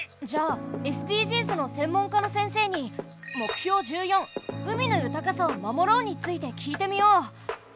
じゃあＳＤＧｓの専門家の先生に目標１４「海の豊かさを守ろう」について聞いてみよう。